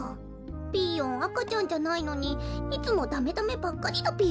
ピーヨンあかちゃんじゃないのにいつもダメダメばっかりだぴよ。